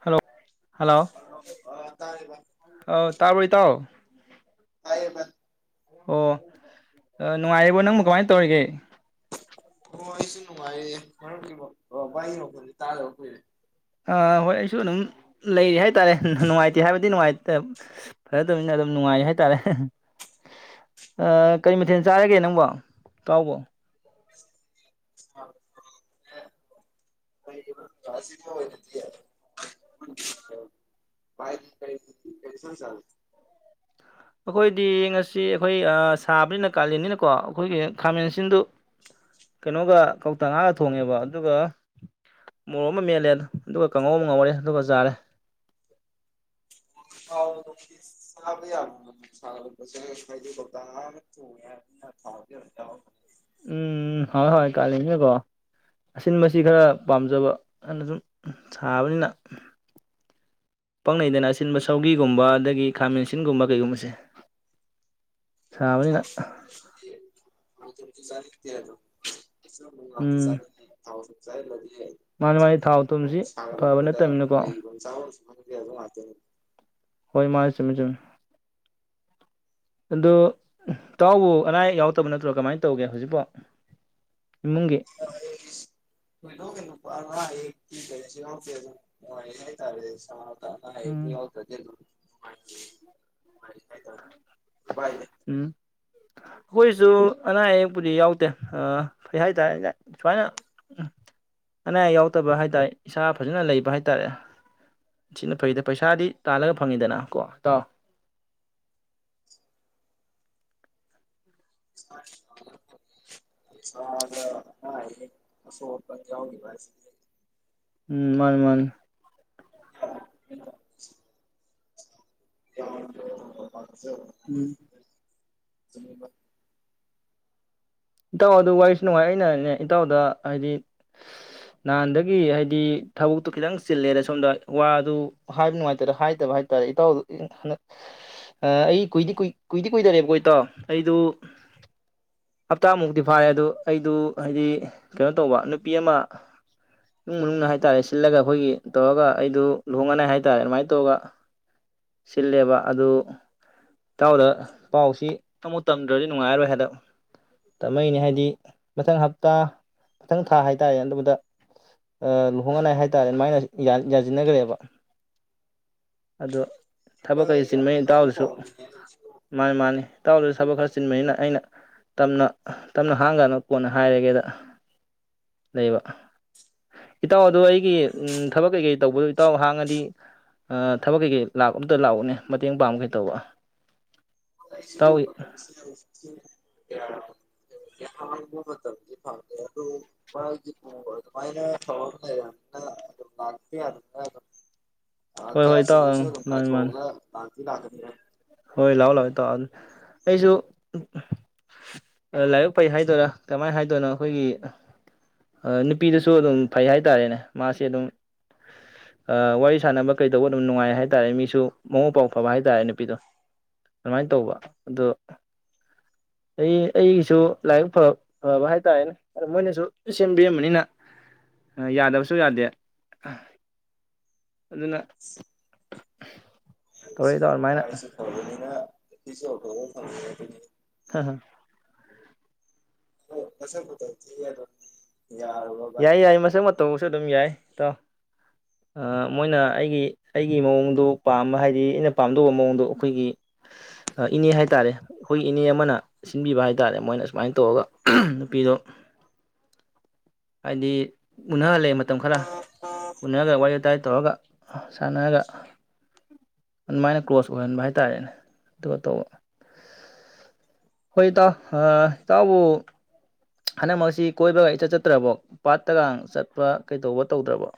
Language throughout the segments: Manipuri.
ꯍꯜꯂꯣ ꯍꯜꯂꯣ ꯑ ꯑ ꯇꯥꯔꯦꯕ ꯇꯥꯕ ꯇꯥꯎ ꯇꯦꯕ ꯑꯣ ꯅꯨꯡꯉꯥꯏꯔꯤꯕꯣ ꯅꯪꯕꯨ ꯀꯃꯥꯏꯅ ꯇꯧꯔꯤꯒꯦ ꯑꯣ ꯑꯩꯁꯨ ꯅꯨꯡꯉꯥꯏꯔꯦ ꯃꯔꯀꯤ ꯋꯥꯏ ꯅꯣꯗꯤ ꯇꯥꯗꯕ ꯀꯨꯏꯔꯦ ꯑꯥ ꯍꯣꯏ ꯑꯩꯁꯨ ꯑꯗꯨꯝ ꯂꯩꯔꯤ ꯍꯥꯏꯇꯥꯔꯦ ꯅꯨꯡꯉꯥꯏꯇꯦ ꯍꯥꯏꯕꯗꯤꯉꯥꯏꯇ ꯐꯔꯗꯕꯅꯤꯅ ꯑꯗꯨꯝ ꯅꯨꯡꯉꯥꯏꯔꯤ ꯍꯥꯏ ꯇꯔꯦ ꯀꯔꯤ ꯃꯊꯦꯜ ꯆꯥꯔꯒꯦ ꯅꯪꯕ ꯀꯥꯎꯕ [unintelligible] ꯑꯩꯈꯣꯏꯗꯤ ꯉꯁꯤ ꯑꯩꯈꯣꯏ ꯁꯥꯕꯅꯤꯅ ꯀꯥꯂꯦꯟꯅꯤꯅꯀꯣ ꯑꯩꯈꯣꯏꯒꯤ ꯈꯥꯃꯦꯟꯁꯤꯟꯗꯨ ꯀꯩꯅꯣꯒ ꯀꯧꯇ ꯉꯥꯒ ꯊꯣꯡꯉꯦꯕ ꯑꯗꯨꯒ ꯃꯣꯔꯣꯛ ꯑꯃ ꯃꯦꯜꯂꯦ ꯑꯗꯨꯒ ꯀꯥꯡꯉꯧ ꯑꯃ ꯉꯧꯔꯦ ꯑꯗꯨꯒ ꯆꯥꯔꯦ ꯊꯥꯎ ꯆꯕ ꯌꯥꯝ ꯁꯥꯔꯛꯄꯁꯦ ꯍꯥꯏꯗ ꯄꯧꯇꯥꯛ ꯊꯣꯡꯉꯦꯅ ꯊꯥꯎꯗꯤ ꯌꯥꯝ ꯎꯝ ꯍꯣꯏ ꯍꯣꯏ ꯀꯥꯜꯂꯤꯅꯦꯀꯣ ꯑꯁꯤꯟꯕꯁꯤ ꯈꯔ ꯄꯥꯝꯖꯕ ꯑꯗꯨꯅ ꯁꯨꯝ ꯁꯥꯕꯅꯤꯅ ꯄꯪꯅꯩꯗꯅ ꯑꯁꯤꯟꯕ ꯁꯧꯒꯤꯒꯨꯝꯕ ꯑꯗꯒꯤ ꯈꯥꯃꯦꯟ ꯑꯁꯤꯟꯒꯨꯝꯕ ꯀꯩꯒꯨꯝꯕꯁꯦ ꯆꯥꯕꯅꯤꯅ ꯍ ꯆꯔ ꯆ ꯎꯝ ꯊꯥꯎ ꯆꯥꯏ ꯃꯥꯅꯤ ꯃꯥꯅꯤ ꯊꯥꯎ ꯊꯨꯝꯁꯤ ꯐꯕ ꯅꯠꯇꯃꯤꯅꯀꯣ ꯑꯗꯨ ꯑꯗꯨ ꯃꯥ ꯍꯣꯏ ꯃꯥ ꯆꯨꯝꯃꯦ ꯆꯨꯝꯃꯦ ꯑꯗꯨ ꯇꯥꯎꯕꯨ ꯑꯅꯥ ꯑꯌꯦꯛ ꯌꯥꯎꯛꯇꯕ ꯅꯠꯇ꯭ꯔꯣ ꯀꯃꯥꯏꯅ ꯇꯧꯒꯦ ꯍꯧꯖꯤꯛꯐꯥꯎ ꯏꯃꯨꯡꯒꯤ ꯃꯣꯏꯅ ꯀꯩꯅꯣ ꯋꯥ ꯀꯁꯤ ꯑꯣꯦ ꯑꯗꯨ ꯇꯥꯔꯦ ꯎꯝ [unintelligible] [unintelligible] ꯏ ꯎꯝ ꯑꯩꯈꯣꯏꯁꯨ ꯑꯅꯥ ꯑꯌꯦꯛꯄꯨꯗꯤ ꯌꯥꯎꯗꯦ ꯐꯩ ꯍꯥꯏ ꯇꯥꯔꯦ ꯁꯨꯃꯥꯏꯅ ꯑꯅꯥ ꯑꯌꯦꯛ ꯌꯥꯎꯗꯕ ꯍꯥꯏ ꯇꯥꯔꯦ ꯏꯁꯥ ꯐꯖꯅ ꯂꯩꯕ ꯍꯥꯏ ꯇꯥꯔꯦ ꯁꯤꯅ ꯐꯩꯗ ꯄꯩꯁꯥꯗꯤ ꯇꯥꯜꯂꯒ ꯐꯪꯉꯤꯗꯅ ꯀꯣ ꯇꯥꯎ꯫ [unintelligible] ꯎꯝ ꯃꯥꯅꯤ ꯃꯥꯅꯤ [unintelligible] [unintelligible] ꯎꯝ ꯁꯤꯕ ꯏꯇꯥꯎ ꯑꯗꯨ ꯋꯥꯔꯤꯁꯨ ꯅꯨꯡꯉꯥꯏ ꯑꯩꯅꯅꯦ ꯏꯇꯥꯎꯗ ꯍꯥꯏꯗꯤ ꯅꯍꯥꯟꯗꯒꯤ ꯍꯥꯏꯗꯤ ꯊꯕꯛꯇꯨ ꯈꯤꯇꯪ ꯆꯤꯜꯂꯦꯗ ꯁꯣꯝꯗ ꯋꯥꯗꯨ ꯍꯥꯏꯕ ꯅꯨꯡꯉꯥꯏꯇꯔꯦ ꯍꯥꯏꯗꯕ ꯍꯥꯏꯇꯥꯥꯔꯦ ꯏꯇꯥꯎꯗꯨ ꯍꯟꯗ ꯑꯩ ꯀꯨꯏꯗꯤ ꯀꯨꯏꯗꯤ ꯀꯨꯏꯗꯔꯦꯕꯀꯣ ꯏꯇꯥꯎ ꯑꯩꯗꯨ ꯍꯞꯇꯥꯃꯨꯛꯇꯤ ꯐꯥꯔꯦ ꯑꯗꯨ ꯑꯩꯗꯨ ꯍꯥꯏꯗꯤ ꯀꯩꯅꯣ ꯇꯧꯕ ꯅꯨꯄꯤ ꯑꯃ ꯏꯃꯨꯡ ꯃꯅꯨꯡꯅ ꯍꯥꯏꯇꯥꯔꯦ ꯁꯤꯜꯂꯒ ꯑꯩꯈꯣꯏꯒꯤ ꯇꯧꯔꯒ ꯑꯩꯗꯨ ꯂꯨꯍꯣꯡꯉꯅꯤꯥꯏ ꯍꯥꯏꯇꯥꯔꯦ ꯑꯗꯨꯃꯥꯏꯅ ꯇꯧꯔꯒ ꯁꯤꯜꯂꯦꯕ ꯑꯗꯨ ꯏꯇꯥꯎꯗ ꯄꯥꯎꯁꯤ ꯇꯝꯃꯨꯛ ꯇꯝꯗ꯭ꯔꯗꯤ ꯅꯨꯡꯉꯥꯏꯔꯔꯣꯏ ꯍꯥꯏꯗꯅ꯫ ꯇꯥꯃꯩꯅꯦ ꯍꯥꯏꯗꯤ ꯃꯊꯪ ꯍꯞꯇꯥ ꯃꯊꯪ ꯊꯥ ꯍꯥꯏꯇꯥꯔꯦꯅꯦ ꯑꯗꯨꯝꯕꯗ ꯂꯨꯍꯣꯡꯅꯉꯥꯏ ꯍꯥꯏꯇꯥꯔꯦꯅꯦ ꯃꯥꯏꯅ ꯌꯥꯁꯤꯟꯅꯈ꯭ꯔꯦꯕ ꯑꯗꯣ ꯊꯕꯛ ꯀꯩ ꯂꯥꯏꯕꯛ ꯆꯤꯟꯕꯅꯤ ꯇꯥꯎꯗꯁꯨ ꯐꯕꯅꯦ ꯃꯥꯅꯤ ꯃꯥꯅꯤ ꯇꯥꯎꯗꯁꯨ ꯊꯕꯛ ꯈꯔ ꯆꯤꯟꯕꯅꯤꯅ ꯑꯩꯅ ꯇꯝꯅ ꯇꯞꯅ ꯍꯥꯡꯒꯅꯨ ꯀꯣꯟꯅ ꯍꯥꯏꯔꯒꯦꯅ ꯂꯩꯕ ꯏꯇꯥꯎ ꯑꯗꯣ ꯑꯩꯒꯤ ꯊꯕꯛ ꯀꯩꯀꯩ ꯇꯧꯕꯗꯣ ꯏꯇꯥꯎ ꯍꯥꯡꯉꯗꯤ ꯊꯕꯛ ꯀꯩꯀꯩ ꯂꯥꯛ ꯑꯝꯇ ꯂꯥꯛꯎꯅꯦ ꯃꯇꯦꯡ ꯄꯥꯡꯕ ꯀꯩ ꯇꯧꯕ [unintelligible] ꯍꯥꯡꯕ ꯃꯇꯝꯗꯤ ꯐꯥꯑꯦ ꯑꯗꯨ ꯑꯗꯨꯃꯥꯏꯅ ꯐ [inaudible] ꯑ ꯍꯣꯏ ꯀꯌꯥ ꯍꯣꯏ ꯏꯇꯥꯎ ꯁꯤꯁꯦ ꯑꯪ ꯃꯥꯅꯤ ꯃꯥꯅꯤ ꯀꯥꯏꯊ‌ꯣꯛꯑꯒ ꯍꯧꯖꯤꯛ ꯂꯥꯛꯀꯅꯤ ꯍꯣꯏ ꯂꯥꯛꯑꯣ ꯂꯥꯛꯑꯣ ꯏꯇꯥꯎ ꯑꯗꯨ ꯑꯩꯁꯨ ꯂꯥꯏꯕꯛ ꯐꯩ ꯍꯥꯏꯗꯣꯏꯔꯥ ꯀꯃꯥꯏꯅ ꯍꯥꯏꯗꯣꯏꯅꯣ ꯑꯩꯈꯣꯏꯒꯤ ꯅꯨꯄꯤꯗꯨꯁꯨ ꯑꯗꯨꯝ ꯐꯩ ꯍꯥꯏꯇꯥꯔꯦꯅꯦ ꯃꯥꯁꯦ ꯑꯗꯨꯝ ꯋꯥꯔꯤ ꯁꯥꯟꯅꯕ ꯀꯩꯗꯧꯕ ꯑꯗꯨꯝ ꯅꯨꯡꯉꯥꯏ ꯍꯥꯏꯇꯥꯔꯦ ꯃꯤꯁꯨ ꯃꯕꯨꯛ ꯃꯄꯥꯎ ꯐꯕ ꯍꯥꯏꯇꯥꯔꯦ ꯅꯨꯄꯤꯗꯣ ꯑꯗꯨꯃꯥꯏꯅ ꯇꯧꯕ ꯑꯗ‌ꯣ ꯑꯩ ꯑꯩꯒꯤꯁꯨ ꯂꯥꯏꯕꯛ ꯐꯕ ꯍꯥꯏꯇꯥꯥꯔꯦꯅꯦ ꯑ ꯃꯣꯏꯅꯁꯨ ꯁꯦꯝꯕꯤꯔꯝꯕꯅꯤꯅ ꯌꯥꯗꯕꯁꯨ ꯌꯥꯗꯦ ꯑꯗꯨꯅ ꯇꯧꯔꯛꯏ ꯏꯇꯥꯎ ꯑꯗꯨꯃꯥꯏꯅ [unintelligible] [inaudible] ꯁꯨꯗ ꯐꯪ ꯍ ꯍ ꯑꯣ ꯃꯁꯛ ꯃꯇꯧ ꯊꯤ ꯌꯥꯏ ꯌꯥꯏ ꯃꯁꯛ ꯃꯇꯧꯁꯨ ꯑꯗꯨꯝ ꯌꯥꯏ ꯏꯇꯥꯎ ꯑ ꯃꯣꯏꯅ ꯑꯩꯒꯤ ꯑꯩꯒꯤ ꯃꯑꯣꯡꯗꯣ ꯄꯥꯝꯕ ꯍꯥꯏꯗꯤ ꯑꯩꯅ ꯄꯥꯝꯗ‌ꯣꯕ ꯃꯑꯣꯡꯗꯣ ꯑꯩꯈꯣꯏꯒꯤ ꯏꯅꯦ ꯍꯥꯏ ꯇꯥꯔꯦ ꯑꯩꯈꯣꯏꯒꯤ ꯏꯅꯦ ꯑꯃꯅ ꯁꯤꯟꯕꯤꯕ ꯍꯥꯏ ꯇꯥꯔꯦ ꯃꯣꯏꯅ ꯁꯨꯃꯥꯏꯅ ꯇꯧꯔꯒ ꯅꯨꯄꯤꯗꯣ ꯍꯥꯏꯗꯤ ꯎꯅꯍꯜꯂꯦ ꯃꯇꯝ ꯈꯔ ꯎꯅꯗꯅ ꯋꯥꯔꯤ ꯏꯗꯥꯥꯏ ꯇꯧꯔꯒ ꯁꯥꯟꯅꯔꯒ ꯑꯗꯨꯃꯥꯏꯅ ꯀ꯭ꯂꯣꯖ ꯑꯣꯏꯍꯟꯕ ꯍꯥꯏꯇꯥꯥꯔꯦꯅꯦ ꯑꯗꯨꯒ ꯇꯧꯕ ꯍꯣꯏ ꯏꯇꯥꯎ ꯏꯇꯥꯎꯕꯨ ꯍꯟꯗꯛ ꯃꯔꯛꯁꯤ ꯀꯣꯏꯕꯒ ꯏꯆꯠ ꯆꯠꯇ꯭ꯔꯕꯣ ꯄꯥꯠꯇꯒ ꯆꯠꯄ ꯀꯩꯗꯧꯕ ꯇꯧꯗ꯭ꯔꯕ‌ꯣ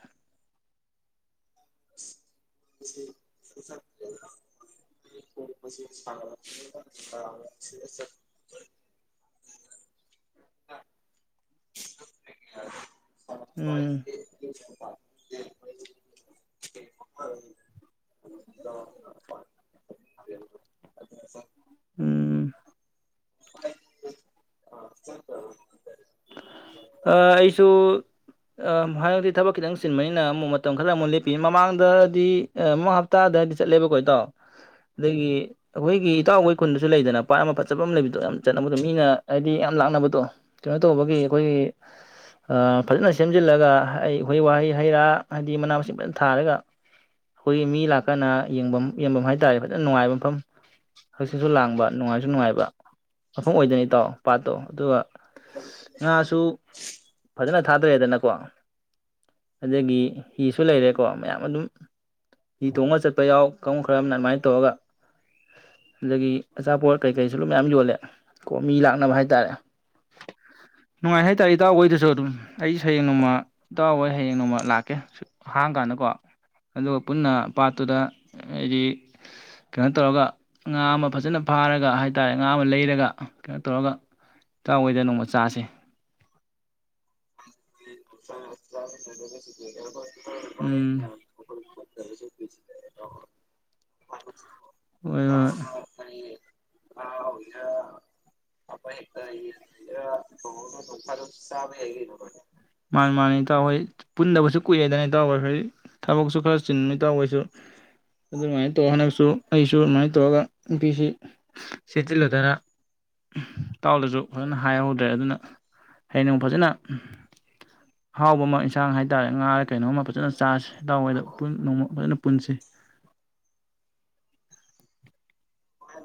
[unintelligible] [inaudible] ꯎꯝ [inaudible] ꯎꯝ ꯑ [inaudible] ꯍꯗꯛꯇꯤ ꯊꯕꯛ ꯈꯤꯇꯪ ꯆꯤꯟꯕꯅꯤꯅ ꯑꯃꯨꯛ ꯃꯇꯝ ꯈꯔ ꯑꯃꯨꯛ ꯂꯦꯞꯄꯤ ꯃꯃꯥꯡꯗꯗꯤ ꯃ‌ꯃꯥꯡ ꯍꯞꯇꯥꯗ ꯍꯥꯏꯗꯤ ꯆꯠꯂꯦꯕꯀꯣ ꯏꯇꯥꯎ ꯑꯗꯒꯤ ꯑꯩꯈꯣꯏꯒꯤ ꯏꯇꯥꯎꯍ‌ꯣꯏ ꯈꯨꯟꯗꯁꯨ ꯂꯩꯗꯅ ꯄꯥꯠ ꯑꯃ ꯐꯖꯕ ꯑꯃ ꯂꯩꯕꯗꯣ ꯌꯥꯝ ꯆꯠꯅꯕꯗꯣ ꯃꯤꯅ ꯍꯥꯏꯗꯤ ꯌꯥꯝ ꯂꯥꯛꯅꯕꯗꯣ ꯀꯩꯅꯣ ꯇꯧꯕꯒꯤ ꯑꯩꯈꯣꯏꯒꯤ ꯑ ꯐꯖꯅ ꯁꯦꯝꯖꯤꯜꯂꯒ ꯑꯩ ꯎꯍꯩ ꯋꯥꯍꯩ ꯍꯩ ꯔꯥ ꯍꯥꯏꯗꯤ ꯃꯅꯥ ꯃꯁꯤꯡ ꯐꯖꯅ ꯊꯥꯔꯒ ꯑꯩꯈꯣꯏꯒꯤ ꯃꯤ ꯂꯥꯛꯀꯟꯗ ꯌꯦꯡꯐꯝ ꯌꯦꯡꯐꯝ ꯍꯥꯏꯇꯥꯔꯦ ꯐꯖꯅ ꯅꯨꯡꯉꯥꯏꯕ ꯃꯐꯝ ꯍꯪꯆꯤꯛꯁꯨ ꯂꯥꯡꯕ ꯅꯨꯡꯉꯥꯏꯁꯨ ꯅꯨꯡꯉꯥꯏꯕ ꯃꯐꯝ ꯑꯣꯏꯗꯣꯏꯅꯤ ꯏꯇꯥꯎ ꯄꯥꯠꯇꯣ ꯑꯗꯨꯒ ꯉꯥꯛꯁꯨ ꯐꯖꯅ ꯊꯥꯗ꯭ꯔꯦꯗꯅꯀꯣ ꯑꯗꯨꯗꯒꯤ ꯍꯤꯁꯨ ꯂꯩꯔꯦꯀꯣ ꯃꯌꯥꯝ ꯑꯗꯨꯝ ꯍꯤ ꯇꯣꯡꯉ ꯆꯠꯄ ꯌꯥꯎ ꯀꯥꯡꯒꯨ ꯈꯔ ꯑꯃꯅ ꯑꯗꯨꯃꯥꯏꯅ ꯇꯧꯔꯒ ꯑꯗꯒꯤ ꯑꯆꯥꯄꯣꯠ ꯀꯩꯀꯩꯁꯨ ꯑꯗꯨ ꯃꯌꯥꯝ ꯌꯣꯜꯂꯦ ꯀꯣ ꯃꯤ ꯂꯥꯛꯅꯕ ꯍꯥꯏꯇꯥꯔꯦ ꯅꯨꯡꯉꯥꯏ ꯍꯥꯏ ꯇꯥꯔꯦ ꯏꯇꯥꯎꯈꯣꯏꯗꯨꯁꯨ ꯑꯗꯨꯝ ꯑꯩꯁꯨ ꯍꯌꯦꯡ ꯅꯣꯡꯃ ꯏꯇꯥꯎꯈꯣꯏ ꯍꯌꯦꯡ ꯅꯣꯡꯃ ꯂꯥꯛꯀꯦ ꯍꯥꯡ ꯀꯥꯟꯗꯀꯣ ꯑꯗꯨꯒ ꯄꯨꯟꯅ ꯄꯥꯠꯇꯨꯗ ꯍꯥꯏꯗꯤ ꯀꯩꯅꯣ ꯇꯧꯔꯒ ꯉꯥ ꯑꯃ ꯐꯖꯅ ꯐꯥꯔꯒ ꯍꯥꯏ ꯇꯥꯔꯦ ꯉꯥ ꯑꯃ ꯂꯩꯔꯒ ꯀꯩꯅꯣ ꯇꯧꯔꯒ ꯏꯇꯥꯎ ꯍ‌ꯣꯏꯗ ꯅꯣꯡꯃ ꯆꯥꯁꯦ [inaudible] ꯎꯝ [inaudible] ꯍꯣꯏ ꯍꯣꯏ [inaudible] ꯏꯇꯥꯎ [unintelligible] ꯃꯥꯅꯤ ꯃꯥꯥꯅꯤ ꯏꯇꯥꯎꯍꯣꯏ ꯄꯨꯟꯗꯕꯁꯨ ꯀꯨꯏꯔꯦꯗꯅ ꯏꯇꯥꯎꯍꯣꯏ ꯍ‌ꯣꯏ ꯊꯕꯛꯁꯨ ꯈꯔ ꯆꯤꯟꯕꯅꯤ ꯏꯇꯥꯎꯈꯣꯏꯁꯨ ꯑꯗꯨꯃꯥꯏꯅ ꯇꯧꯔ ꯍꯟꯗꯛꯁꯨ ꯑꯩꯁꯨ ꯑꯗꯨꯃꯥꯏꯅ ꯇꯧꯔꯒ ꯅꯨꯄꯤꯁꯤ ꯆ‌ꯦꯠꯁꯜꯂꯨꯗꯅ ꯏꯇꯥꯎꯗꯁꯨ ꯐꯖꯅ ꯍꯥꯏꯍꯧꯗ꯭ꯔꯦ ꯑꯗꯨꯅ ꯍꯌꯦꯡ ꯐꯖꯅ ꯑꯍꯥꯎꯕ ꯑꯃ ꯑꯦꯟꯁꯥꯡ ꯍꯥꯏꯇꯥꯔꯦ ꯉꯥ ꯔ ꯀꯩꯅꯣꯝꯃ ꯐꯖꯅ ꯆꯥꯁꯤ ꯏꯇꯥꯎꯍ‌ꯣꯏꯗ ꯄꯨꯟ ꯅꯣꯡꯃ ꯐꯖꯅ ꯄꯨꯟꯁꯤ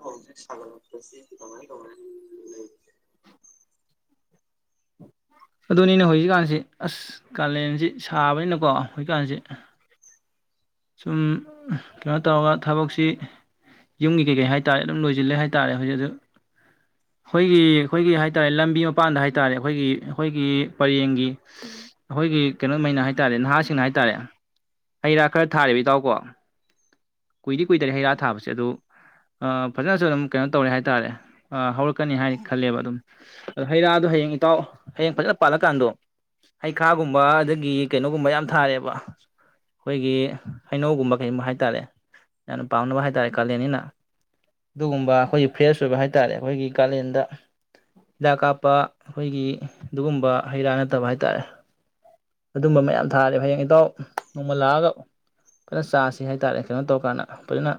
ꯁꯒꯉꯥꯏ ꯇ ꯂꯩ ꯑꯗꯨꯅꯤꯅꯦ ꯍꯧꯖꯤꯛꯀꯥꯟꯁꯤ ꯑꯁ ꯀꯥꯂꯦꯟꯁꯤ ꯁꯥꯕꯅꯤꯅꯀꯣ ꯍꯧꯖꯤꯛꯀꯥꯟꯁꯤ ꯁꯨꯝ ꯀꯩꯅꯣ ꯇꯧꯔꯒ ꯊꯕꯛꯁꯤ ꯌꯨꯝꯒꯤ ꯀꯩꯀꯩ ꯍꯥꯏ ꯇꯥꯔꯦ ꯑꯗꯨꯝ ꯂꯣꯏꯁꯤꯜꯂꯦ ꯍꯥꯏ ꯇꯥꯔꯦ ꯍꯧꯖꯤꯛ ꯑꯗꯨ ꯑꯩꯈꯣꯏꯒꯤ ꯑꯩꯈꯣꯏꯒꯤ ꯍꯥꯏ ꯇꯥꯔꯦ ꯂꯝꯕꯤ ꯃꯄꯥꯟꯗ ꯍꯥꯏ ꯇꯥꯔꯦ ꯑꯩꯈꯣꯏꯒꯤ ꯑꯩꯈꯣꯏꯒꯤ ꯄꯔꯦꯡꯒꯤ ꯑꯩꯈꯣꯏꯒꯤ ꯀꯩꯅꯣꯃꯩꯅ ꯍꯥꯏ ꯇꯥꯔꯦ ꯅꯍꯥꯁꯤꯡꯅ ꯍꯥꯏ ꯇꯥꯔꯦ ꯍꯩꯔꯥꯛ ꯈꯔ ꯊꯥꯔꯦꯕ ꯏꯇꯥꯎꯀꯣ ꯀꯨꯏꯗꯤ ꯀꯨꯏꯗꯔꯦ ꯍꯩꯔꯥ ꯊꯥꯕꯁꯦ ꯑꯗꯨ ꯐꯖꯅꯁꯨ ꯑꯗꯨꯝ ꯀꯩꯅꯣ ꯇꯧꯔꯦ ꯍꯥꯏꯇꯥꯔꯦ ꯍꯧꯔꯛꯀꯅꯤ ꯍꯥꯏ ꯈꯜꯂꯦꯕ ꯑꯗꯨꯝ ꯑꯗ ꯍꯩꯔꯥꯗꯣ ꯍꯌꯦꯡ ꯏꯇꯥꯎ ꯍꯌꯦꯡ ꯐꯖꯅ ꯄꯥꯜꯂꯀꯥꯟꯗꯣ ꯍꯩꯈꯥꯒꯨꯝꯕ ꯑꯗꯒꯤ ꯀꯩꯅꯣꯒꯨꯝꯕ ꯌꯥꯝ ꯊꯥꯔꯦꯕ ꯑꯩꯈꯣꯏꯒꯤ ꯍꯩꯅꯧꯒꯨꯝꯕ ꯀꯩꯒꯨꯝꯕ ꯍꯥꯏ ꯇꯥꯔꯦ ꯌꯥꯝꯅ ꯄꯥꯝꯅꯕ ꯍꯥꯏ ꯇꯥꯔꯦ ꯀꯥꯂꯦꯟꯅꯤꯅ ꯑꯗꯨꯒꯨꯝꯕ ꯑꯩꯈꯣꯏꯒꯤ ꯐ꯭ꯔꯦꯁ ꯑꯣꯏꯕ ꯍꯥꯏ ꯇꯥꯔꯦ ꯑꯩꯈꯣꯏꯒꯤ ꯀꯥꯂꯦꯟꯗ ꯍꯤꯗꯥꯛ ꯀꯥꯞꯄ ꯑꯩꯈꯣꯏꯒꯤ ꯑꯗꯨꯒꯨꯝꯕ ꯍꯩ ꯔꯥ ꯅꯠꯇꯕ ꯍꯥꯏ ꯇꯥꯔꯦ ꯑꯗꯨꯒꯨꯝꯕ ꯃꯌꯥꯝ ꯊꯥꯔꯦ ꯍꯌꯦꯡ ꯏꯇꯥꯎ ꯅꯣꯡꯃꯜ ꯂꯥꯛꯑꯒ ꯐꯖꯅ ꯆꯥꯁꯤ ꯍꯥꯏ ꯇꯥꯔꯦ ꯀꯩꯅꯣ ꯇꯧꯔꯀꯥꯟꯗ ꯐꯖꯅ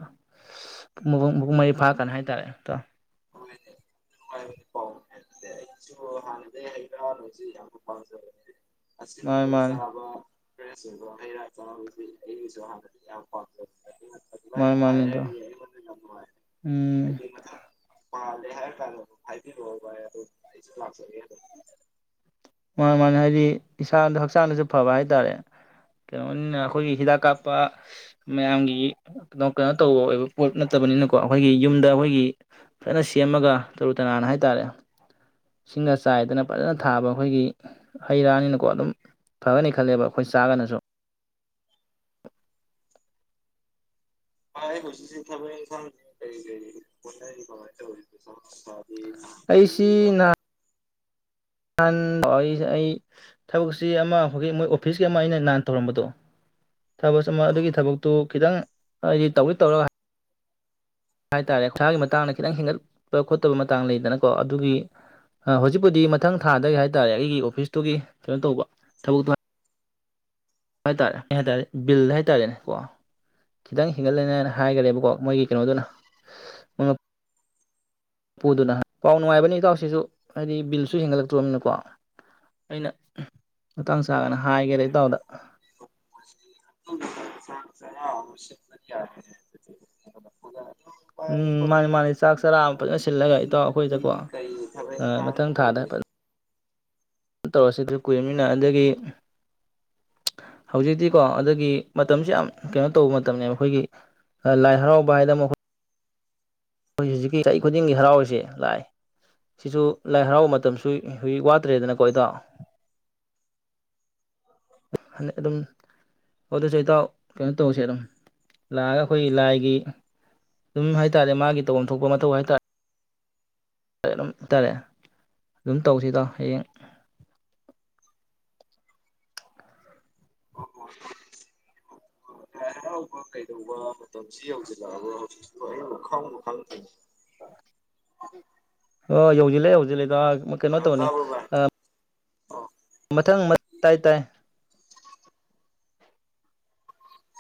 ꯄꯄꯨꯡ ꯃꯔꯤ ꯐꯥꯔꯀꯥꯟꯗ ꯍꯥꯏ ꯇꯥꯔꯦ [unintelligible] ꯃꯥꯅꯤ ꯑꯥꯁꯤꯟꯕ ꯃꯥꯅꯤ ꯆꯥꯕꯥ ꯐꯔ꯭ꯦꯁ ꯑꯣꯏꯕ ꯍꯩ ꯔꯥ ꯆꯕꯁꯤ ꯑꯩꯅꯥꯁꯨ ꯍꯥꯅꯗꯩꯩ ꯌꯥꯝ ꯄꯥꯝꯖꯕ ꯃꯥꯅꯤ ꯃꯥꯅꯤ ꯏꯇꯥꯎ ꯌꯥꯝ ꯅꯨꯡꯉꯥꯏ ꯎꯝ ꯍꯥꯏꯗꯤ ꯃꯊꯪ ꯄꯥꯜꯂꯦ ꯍꯥꯏꯔ ꯀꯥꯟꯗ ꯍꯥꯏꯕꯤꯔꯛꯑꯣ ꯚꯏ ꯑꯗꯨ ꯑꯩꯁꯨ ꯂꯥꯛꯆꯒꯦ ꯑꯗꯨꯝ ꯃꯥꯅꯤ ꯃꯥꯅꯤ ꯍꯥꯏꯗꯤ ꯏꯁꯥꯗ ꯍꯛꯆꯥꯡꯗꯁꯨ ꯐꯕ ꯍꯥꯏ ꯇꯥꯔꯦ ꯀꯩꯅꯣꯅꯤꯅ ꯑꯩꯈꯣꯏꯒꯤ ꯍꯤꯗꯥꯛ ꯀꯥꯞꯄ ꯃꯌꯥꯝꯒꯤ ꯀꯩꯅꯣ ꯀꯩꯅꯣ ꯇꯧꯕ ꯑꯣꯏꯕ ꯄꯣꯠ ꯅꯠꯇꯕꯅꯤꯅꯀꯣ ꯑꯩꯈꯣꯏꯒꯤ ꯌꯨꯝꯗ ꯑꯩꯈꯣꯏꯒꯤ ꯐꯖꯅ ꯁꯦꯝꯃꯒ ꯇꯔꯨ ꯇꯅꯥꯟꯅ ꯍꯥꯏ ꯇꯥꯔꯦ ꯁꯤꯡꯒ ꯆꯥꯏꯗꯅ ꯐꯖꯅ ꯊꯥꯕ ꯑꯈꯣꯏꯒꯤ ꯍꯩ ꯔꯥꯅꯤꯅꯀꯣ ꯑꯗꯨꯝ ꯐꯒꯅꯤ ꯈꯜꯂꯦꯕ ꯑꯩꯈꯣꯏ ꯆꯥꯒꯅꯁꯨ ꯕꯥꯢ ꯍꯧꯖꯤꯛꯁꯤ ꯊꯕꯛ ꯏꯪꯈꯥꯡ ꯀꯔꯤ ꯀꯔꯤ ꯍꯣꯠꯅꯔꯤꯕ ꯀꯥꯃꯥꯏꯟ ꯇꯧꯔꯤꯒꯦ ꯑꯩꯁꯤ ꯅꯥ ꯅꯍꯥꯟ ꯑꯩ ꯑꯩ ꯊꯕꯛꯁꯤ ꯑꯃ ꯍꯧꯖꯤꯛ ꯃꯣꯏ ꯑꯣꯐꯤꯁꯀꯤ ꯑꯃ ꯑꯩꯅ ꯅꯍꯥꯟ ꯇꯧꯔꯝꯕꯗꯣ ꯊꯕꯛ ꯑꯃ ꯑꯗꯨꯒꯤ ꯊꯕꯛꯇꯨ ꯈꯤꯇꯪ ꯑꯩꯗꯤ ꯇꯧꯔ ꯇꯧꯔꯒ ꯍꯥꯏ ꯇꯥꯔꯦ ꯄꯩꯁꯥꯒꯤ ꯃꯇꯥꯡꯗ ꯈꯤꯇꯪ ꯍꯦꯟꯒꯠꯄ ꯈꯣꯠꯇꯕ ꯃꯇꯥꯡ ꯂꯩꯗꯅꯀꯣ ꯑꯗꯨꯒꯤ ꯍꯧꯖꯤꯛꯄꯨꯗꯤ ꯃꯊꯪ ꯊꯥꯗꯒꯤ ꯍꯥꯏ ꯇꯥꯔꯦ ꯑꯩꯒꯤ ꯑꯣꯐꯤꯁꯇꯨꯒꯤ ꯀꯩꯅꯣ ꯇꯧꯕ ꯊꯕꯛꯇꯨ ꯍꯥꯏ ꯇꯥꯔꯦ ꯍꯥꯏ ꯇꯥꯔꯦ ꯕꯤꯜ ꯍꯥꯏ ꯇꯥꯔꯦꯅꯦꯀꯣ ꯈꯤꯇꯪ ꯍꯦꯟꯒꯠꯂꯦꯅꯦꯅ ꯍꯥꯏꯒꯔꯦꯕꯀꯣ ꯃꯣꯏꯒꯤ ꯀꯩꯅꯣꯗꯨꯅ ꯃꯣꯏ ꯄꯨꯗꯨꯅ ꯄꯥꯎ ꯅꯨꯡꯉꯥꯏꯕꯅꯤ ꯏꯇꯥꯎꯁꯤꯁꯨ ꯍꯥꯏꯗꯤ ꯕꯤꯜꯁꯨ ꯍꯦꯟꯒꯠꯂꯛꯇ꯭ꯔꯅꯤꯅꯀꯣ ꯑꯩꯅ ꯃꯇꯥꯡ ꯆꯥꯒꯅ ꯍꯥꯏꯒꯦꯗ ꯏꯇꯥꯎꯗ [unintelligible] ꯆꯥꯛ ꯆꯔꯥ ꯑꯃꯥ ꯁꯤꯅ [unintelligible] ꯎꯝ ꯃꯥꯅꯤ ꯃꯥꯅꯤ ꯆꯥꯛ ꯆꯔꯥ ꯑꯃ ꯐꯖꯅ ꯁꯤꯜꯂꯒ ꯏꯇꯥꯎ ꯅꯨꯄꯤꯗꯤ ꯑꯩꯈꯣꯏꯗꯀꯣ ꯀꯔꯤ ꯊꯕꯛ ꯏꯪꯈꯥꯡ ꯃꯊꯪ ꯊꯥꯗ ꯇꯧꯔꯤ ꯇꯧꯔꯁꯤ ꯀꯨꯏꯔꯅꯤꯅ ꯑꯗꯒꯤ ꯍꯧꯖꯤꯛꯇꯤꯀꯣ ꯑꯗꯒꯤ ꯃꯇꯝꯁꯨ ꯌꯥꯝ ꯀꯩꯅꯣ ꯇꯧꯕ ꯃꯇꯝꯅꯤꯕ ꯑꯩꯈꯣꯏꯒꯤ ꯂꯥꯏ ꯍꯔꯥꯎꯕ ꯍꯥꯏꯗꯅ ꯑꯃ ꯑꯥꯈꯣꯏ ꯑꯈꯣꯏ ꯍꯧꯖꯤꯛꯀꯤ ꯆꯍꯤ ꯈꯨꯗꯤꯡꯒꯤ ꯍꯔꯥꯎꯔꯤꯁꯦ ꯂꯥꯏ ꯁꯤꯁꯨ ꯂꯥꯏ ꯍꯔꯥꯎꯕ ꯃꯇꯝꯁꯨ ꯍꯧꯖꯤꯛ ꯋꯥꯠꯇ꯭ꯔꯦꯗꯅꯀꯣ ꯏꯇꯥꯎ ꯑꯗꯨꯝ ꯑꯣ ꯑꯗꯨꯁꯨ ꯏꯇꯥꯎ ꯀꯩꯅꯣ ꯇꯧꯁꯦ ꯑꯗꯨꯝ ꯂꯥꯛꯑꯒ ꯑꯩꯈꯣꯏꯒꯤ ꯂꯥꯏꯒꯤ ꯑꯗꯨꯝ ꯍꯥꯏ ꯇꯥꯔꯦ ꯃꯥꯒꯤ ꯇꯧꯐꯝ ꯊꯣꯛꯄ ꯃꯊꯧ ꯍꯥꯏꯇꯥꯔꯦ [unintelligible] ꯇꯥꯔꯦ ꯑꯗꯨꯝ ꯇꯧꯁꯤ ꯏꯇꯥꯎ ꯍꯌꯦꯡ [unintelligible] ꯂꯥꯏ ꯍꯔꯥꯎꯕ ꯀꯩꯗꯧꯕ ꯃꯇꯝꯁꯤ ꯌꯧꯁꯤꯜꯂꯛꯑꯒ ꯍꯧꯖꯤꯛ ꯑꯕ ꯈꯪꯕꯨ ꯈꯪꯗꯦ ꯑ ꯌꯧꯖꯤꯂꯦ ꯌꯧꯖꯤꯂꯦ [unintelligible] ꯃꯣꯏ ꯀꯩꯅꯣ ꯇꯧꯅꯤ ꯇꯥꯕ꯭ꯔꯣ ꯚꯥꯏ ꯑ ꯑꯣ ꯃꯊꯪ ꯃ ꯇꯥꯏ ꯇꯥꯏ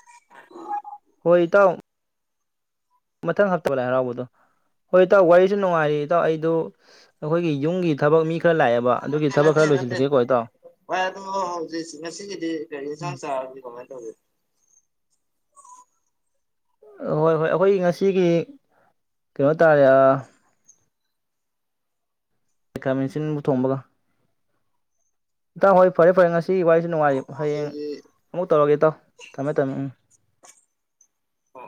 [unintelligible] ꯍꯣꯏ ꯏꯇꯥꯎ ꯃꯊꯪ ꯍꯛꯇꯕ ꯂꯥꯏ ꯍꯔꯥꯎꯕꯗꯣ ꯍꯣꯏ ꯏꯇꯥꯎ ꯋꯥꯔꯤꯁꯨ ꯅꯨꯡꯉꯥꯏꯔꯤ ꯏꯇꯥꯎ ꯑꯩꯗꯨ ꯑꯩꯈꯣꯏꯒꯤ ꯌꯨꯝꯒꯤ ꯊꯕꯛ ꯃꯤ ꯈꯔ ꯂꯥꯛꯑꯦꯕ ꯑꯗꯨꯒꯤ ꯅꯠꯇꯦ ꯊꯕꯛ ꯅꯠꯇꯦ ꯈꯔ ꯅꯠꯇꯦ ꯂꯣꯏꯁꯤꯜꯂꯨꯒꯦꯀꯣ ꯏꯇꯥꯎ ꯍꯣꯏ ꯑ ꯑꯗꯨꯣ ꯍꯧꯖꯤꯛ ꯉꯁꯤꯒꯤꯗꯤ ꯀꯔꯤ ꯎꯝ ꯌꯦꯟꯁꯥꯡ ꯆꯥꯔꯒꯦ ꯀꯃꯥꯏꯅ ꯇꯧ ꯔꯒꯦ ꯍꯣꯏ ꯍꯣꯏ ꯑꯩꯈꯣꯏ ꯉꯁꯤꯒꯤ ꯀꯩꯅꯣ ꯇꯥꯔꯦ ꯥꯈꯥꯃꯦꯟꯁꯤꯟꯕ ꯊꯣꯡꯕꯒ ꯏꯇꯥꯎ ꯍꯣꯏ ꯐꯔꯦ ꯐꯔꯦ ꯉꯁꯤ ꯋꯥꯔꯤꯁꯤ ꯅꯨꯡꯉꯥꯏꯔꯤ ꯑꯣ ꯍꯌꯦꯡ ꯑꯗꯨꯗꯤ ꯑꯃꯨꯛ ꯇꯧꯔꯒꯦ ꯇꯥꯎ ꯊꯝꯃꯦ ꯊꯝꯃꯦ ꯎꯝ ꯑꯣ